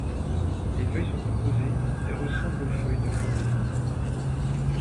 Les feuilles sont composées et ressemblent aux feuilles de flamboyants.